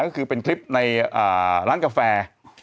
จะเป็นคลิปในร้านกาแฟ